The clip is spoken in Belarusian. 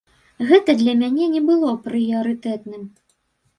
Гэта для мяне не было прыярытэтным.